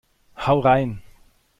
Hau rein!